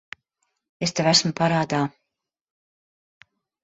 Es tev esmu parādā.